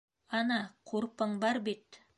Ана, ҡурпың бар бит!